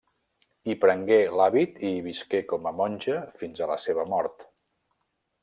Hi prengué l'hàbit i hi visqué com a monja fins a la seva mort.